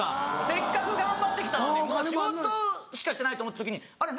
せっかく頑張ってきたのに仕事しかしてないと思った時にあれ？